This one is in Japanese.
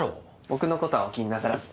僕のことはお気になさらず。